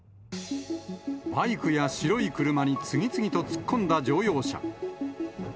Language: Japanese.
バイクや白い車に次々と突っ込んだ乗用車。